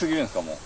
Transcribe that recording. もう。